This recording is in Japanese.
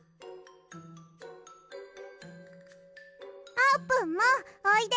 あーぷんもおいで。